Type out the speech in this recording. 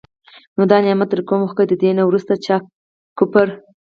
نو دا نعمت درکوم، خو که د دي نه وروسته چا کفر